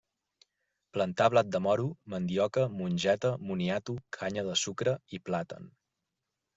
Plantà blat de moro, mandioca, mongeta, moniato, canya de sucre i plàtan.